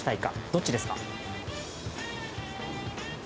どっちですか？